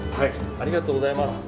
ありがとうございます。